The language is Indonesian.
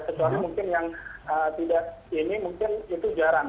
kecuali mungkin yang tidak ini mungkin itu jarang